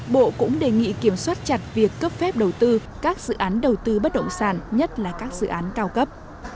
bộ cũng đề nghị kiểm soát chặt việc cấp phép đầu tư các dự án đầu tư bất động sản nhất là các dự án cao cấp